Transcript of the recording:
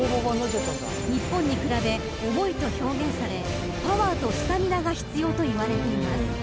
［日本に比べ重いと表現されパワーとスタミナが必要といわれています］